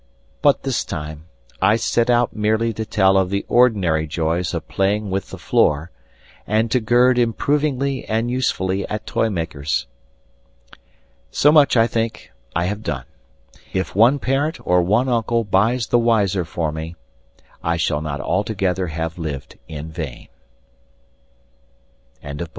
But this time I set out merely to tell of the ordinary joys of playing with the floor, and to gird improvingly and usefully at toymakers. So much, I think, I have done. If one parent or one uncle buys the wiselier for me, I shall not altogether have lived in vain. End of the